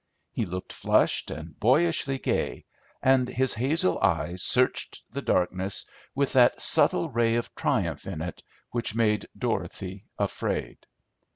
He looked flushed and boyishly gay, and his hazel eye searched the darkness with that subtle ray of triumph in it which made Dorothy afraid.